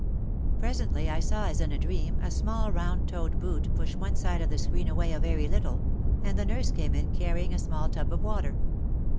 Presently I saw as in a dream a small round toed boot push one side of the screen away a very little, and the nurse came in carrying a small tub of water.